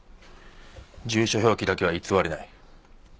住所表記だけは偽れない。